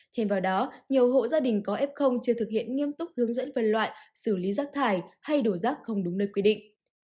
thêm vào đó nhiều hộ gia đình có f chưa thực hiện nghiêm túc hướng dẫn phân loại xử lý rác thải hay đổ rác không đúng nơi quy định